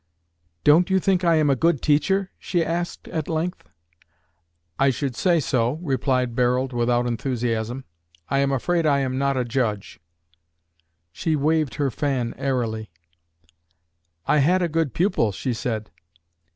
"Don't you think I am a good teacher?" she asked at length. "I should say so," replied Barold, without enthusiasm. "I am afraid I am not a judge." She waved her fan airily. "I had a good pupil," she said.